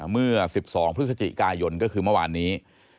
เมื่อ๑๒พฤศจิกายนก็คือเมื่อวานนี้